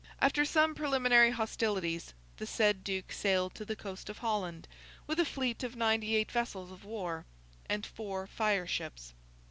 After some preliminary hostilities, the said Duke sailed to the coast of Holland with a fleet of ninety eight vessels of war, and four fire ships.